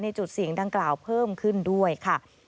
จุดเสี่ยงดังกล่าวเพิ่มขึ้นด้วยค่ะ